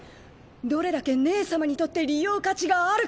どれだけ姉様にとって利用価値があるかです！